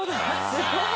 すごい！」